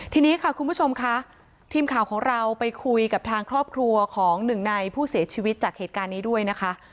ทีนี้ค่ะคุณผู้ชมค่ะทีมข่าวของเราไปคุยกับทางครอบครัวของหนึ่งในผู้เสียชีวิตจากเหตุการณ์นี้ด้วยนะคะ